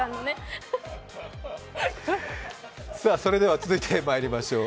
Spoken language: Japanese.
それでは続いてまいりましょう。